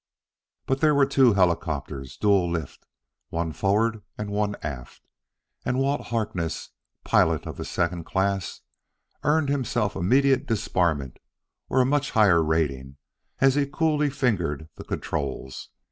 But there were two helicopters dual lift, one forward and one aft. And Walt Harkness, pilot of the second class, earned immediate disbarment or a much higher rating as he coolly fingered the controls.